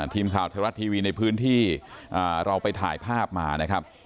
ทีมข่าวไทยรัฐทีวีในพื้นที่เราไปถ่ายภาพมานะครับ